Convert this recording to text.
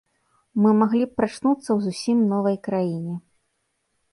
Мы маглі б прачнуцца ў зусім новай краіне.